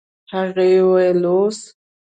هغې وويل اوس.